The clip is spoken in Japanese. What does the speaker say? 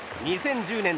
２０１０年